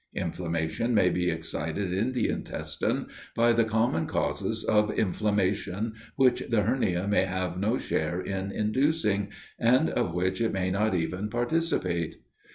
Inflammation may be excited in the intestine, by the common causes of inflammation, which the hernia may have no share in inducing, and of which it may not even participate.